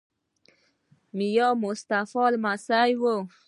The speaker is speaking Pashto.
د میا مصطفی لمسی وو.